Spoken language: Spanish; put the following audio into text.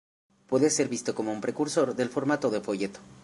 Puede ser visto como un precursor del formato de folleto.